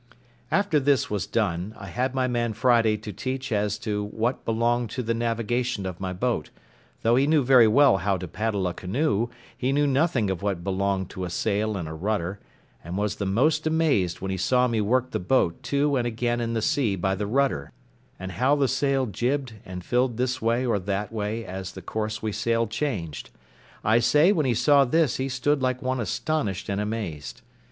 After all this was done, I had my man Friday to teach as to what belonged to the navigation of my boat; though he knew very well how to paddle a canoe, he knew nothing of what belonged to a sail and a rudder; and was the most amazed when he saw me work the boat to and again in the sea by the rudder, and how the sail jibed, and filled this way or that way as the course we sailed changed; I say when he saw this he stood like one astonished and amazed.